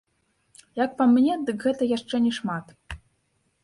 Як па мне, дык гэта яшчэ не шмат.